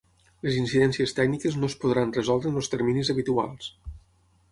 Les incidències tècniques no es podran resoldre en els terminis habituals.